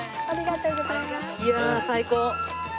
いやあ最高！